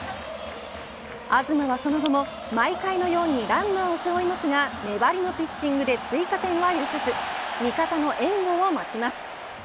東は、その後も毎回のようにランナーを背負いますが粘りのピッチングで追加点は許さず味方の援護を待ちます。